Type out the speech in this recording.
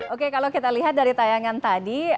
oke kalau kita lihat dari tayangan tadi